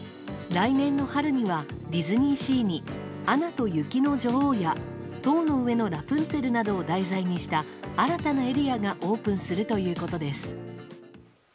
来年の春にはディスニーシーに「アナと雪の女王」や「塔の上のラプンツェル」などを題材にした新たなエリアがオープンするということです。